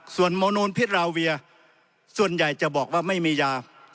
ส่วนโมนูนพิษราเวียส่วนใหญ่จะบอกว่าไม่มียา